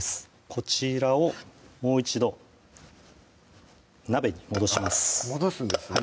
こちらをもう一度鍋に戻します戻すんですね